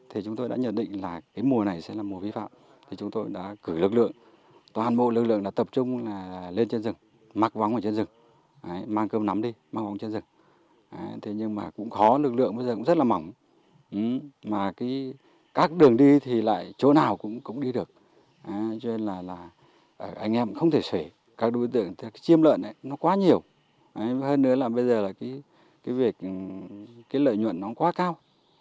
hơn nữa là bây giờ là cái lợi nhuận nó quá cao